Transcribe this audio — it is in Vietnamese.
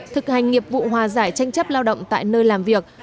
thực hành nghiệp vụ hòa giải tranh chấp lao động tại nơi làm việc